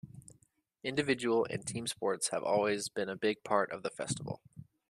Individual and team sports have always been a big part of the festival.